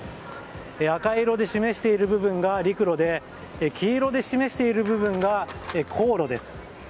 赤色で示している部分が陸路で黄色で示している部分が航路です。